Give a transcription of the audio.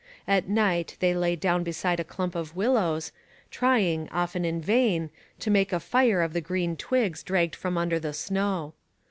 At night they lay down beside a clump of willows, trying, often in vain, to make a fire of the green twigs dragged from under the snow.